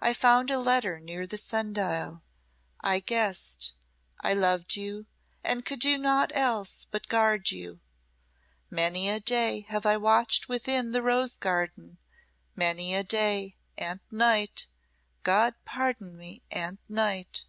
I found a letter near the sun dial I guessed I loved you and could do naught else but guard you. Many a day have I watched within the rose garden many a day and night God pardon me and night.